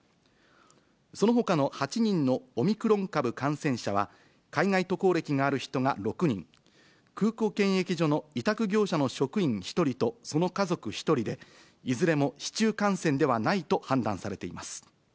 そのほかの８人のオミクロン株感染者は、海外渡航歴がある人が６人、空港検疫所の委託業者の職員１人と、その家族１人で、いずれも市中感染ではないと判断されています。